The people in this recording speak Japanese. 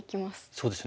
そうですね。